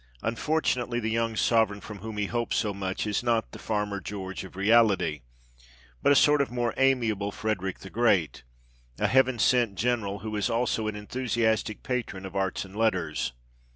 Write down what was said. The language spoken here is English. Unfortunately, the young sovereign from whom he hoped so much is not the " Farmer George " of reality, but a sort of more amiable Frederick the Great a Heaven sent general, who is also an enthusiastic patron of arts and letters.